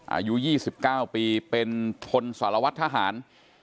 อายุ๒๙ปีเป็นพลสารวัตรทหาร